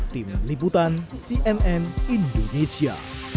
tim liputan cnn indonesia